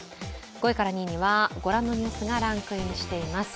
５位から２位にはご覧のニュースがランクインしています。